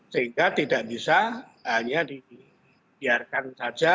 sehingga tidak bisa hanya dibiarkan saja